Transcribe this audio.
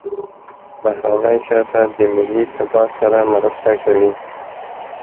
بهرنی سیاست د ملي ثبات سره مرسته کوي.